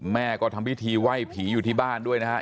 แม่ก็ทำพิธีไหว้ผีอยู่ที่บ้านด้วยนะครับ